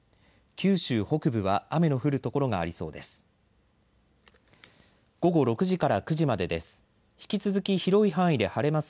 九州北部は雨の降る所がありそうです。